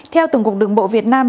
theo tổng cục đường bộ việt nam